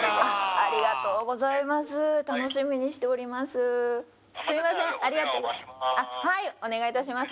ありがとうございます